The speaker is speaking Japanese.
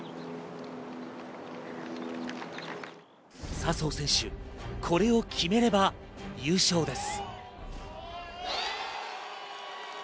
笹生選手、これを決めれば優勝です。